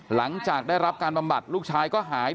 หลังจากได้รับการบำบัดลูกชายก็หาย